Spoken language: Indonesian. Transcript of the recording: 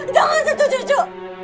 jangan setuju cu